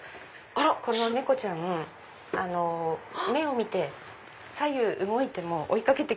この猫ちゃん目を見て左右動いても追い掛けて来ます。